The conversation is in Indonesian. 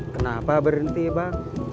kenapa berhenti bang